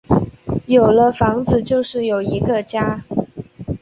有了房子就是有一个家